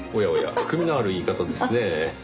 含みのある言い方ですねぇ。